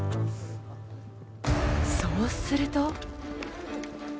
そうすると。